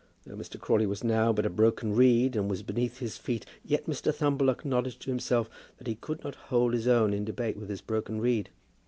Though Mr. Crawley was now but a broken reed, and was beneath his feet, yet Mr. Thumble acknowledged to himself that he could not hold his own in debate with this broken reed.